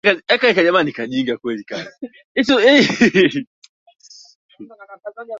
Kwa kipindi cha muda mrefu utotoni mwake Dube aliishi